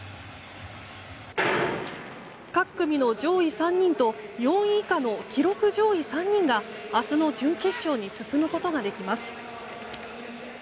各組の上位３人と４位以下の記録上位３人が明日の準決勝に進むことができます。